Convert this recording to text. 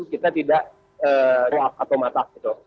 kita tidak roaf atau matah